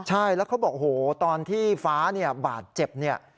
ใช่แล้วเขาบอกโหตอนที่ฟ้าบาดเจ็บ